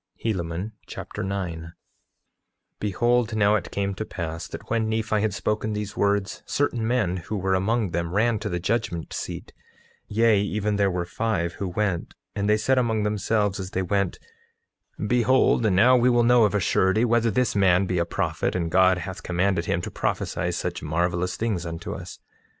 Helaman Chapter 9 9:1 Behold, now it came to pass that when Nephi had spoken these words, certain men who were among them ran to the judgment seat; yea, even there were five who went, and they said among themselves, as they went: 9:2 Behold, now we will know of a surety whether this man be a prophet and God hath commanded him to prophesy such marvelous things unto us.